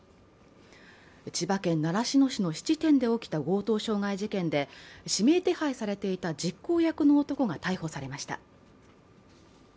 千葉県習志野市の質店で起きた強盗傷害事件で、指名手配されていた実行役の男が逮捕されました。